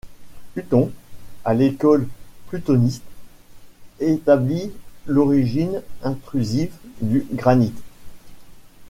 Hutton, avec l'école plutoniste, établit l'origine intrusive du granite.